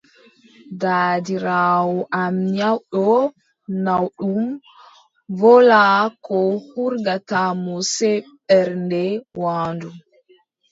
Daadiraawo am nyawɗo naawɗum, wolaa ko hurgata mo sey ɓernde waandu.